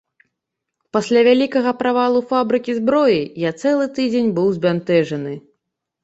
Пасля вялікага правалу фабрыкі зброі, я цэлы тыдзень быў збянтэжаны.